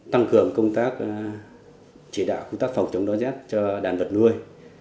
tăng cường công tác chỉ đạo công tác phòng chống đói rét cho đàn vật nuôi